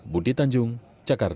bundi tanjung jakarta